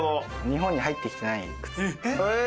日本に入って来てない靴。